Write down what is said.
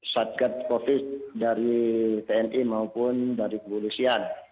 satgat covid dari tni maupun dari kepolisian